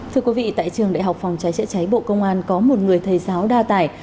thưa quý vị tại trường đại học phòng cháy chữa cháy bộ công an có một người thầy giáo đa tài